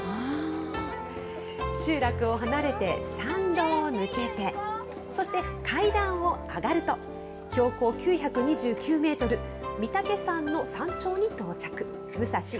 集落を離れて参道を抜けて、そして階段を上がると、標高９２９メートル、御岳山の山頂に到着。